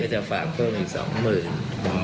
จะฝากเพิ่มอีก๒๐๐๐บาท